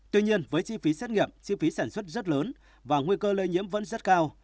tuy nhiên với chi phí xét nghiệm chi phí sản xuất rất lớn và nguy cơ lây nhiễm vẫn rất cao